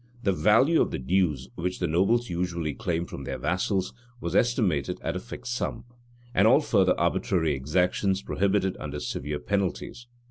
The value of the dues which the nobles usually claimed from their vassals, was estimated at a fixed sum, and all further arbitrary exactions prohibited under severe penalties.